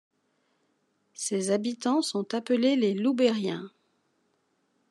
Ses habitants sont appelés les Loubériens.